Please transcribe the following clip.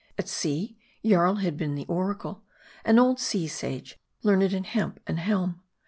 At sea, Jaii had been the oracle : an old sea sage, learned in hemp and helm.